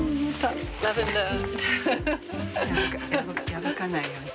破かないように。